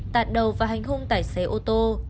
tạt đầu và hành hung tài xế ô tô